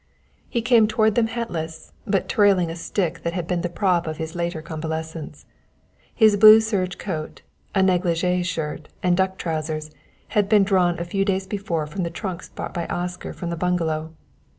He came toward them hatless, but trailing a stick that had been the prop of his later convalescence. His blue serge coat, a negligée shirt and duck trousers had been drawn a few days before from the trunks brought by Oscar from the bungalow.